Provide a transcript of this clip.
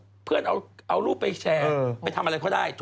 อยู่ดีเพื่อนเราเอารูปไปแชร์ไปทำอะไรก็ได้